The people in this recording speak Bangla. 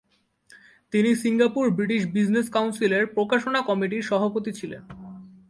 তিনি সিঙ্গাপুর-ব্রিটিশ বিজনেস কাউন্সিলের প্রকাশনা কমিটির সভাপতি ছিলেন।